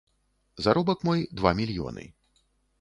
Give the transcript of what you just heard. Заробак мой два мільёны.